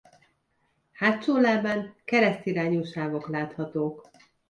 Hátsó lábán keresztirányú sávok láthatók.